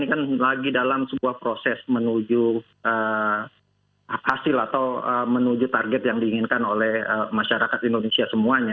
ini kan lagi dalam sebuah proses menuju hasil atau menuju target yang diinginkan oleh masyarakat indonesia semuanya